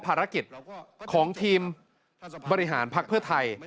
ภารกิจของทีมบริหารภักดิ์เพื่อไทย